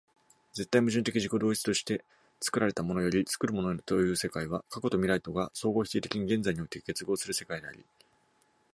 絶対矛盾的自己同一として作られたものより作るものへという世界は、過去と未来とが相互否定的に現在において結合する世界であり、